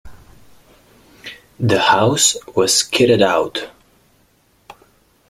The house was kitted out.